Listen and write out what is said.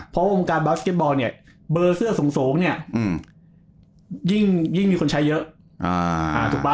เพราะวงการบาสเก็ตบอลเนี่ยเบอร์เสื้อสูงเนี่ยยิ่งมีคนใช้เยอะถูกป่ะ